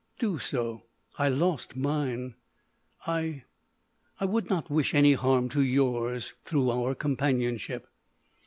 "Do so. I lost mine. I—I would not wish any harm to yours through our companionship."